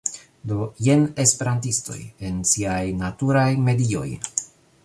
Do, jen esperantistoj... en siaj naturaj medioj